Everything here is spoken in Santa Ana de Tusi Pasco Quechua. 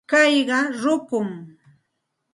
Kayqa rukum.